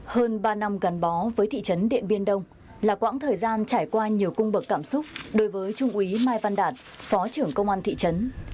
hơn ba năm gắn bó với thị trấn điện biên đông là quãng thời gian trải qua nhiều cung bậc cảm xúc đối với trung úy mai văn đạt phó trưởng công an thị trấn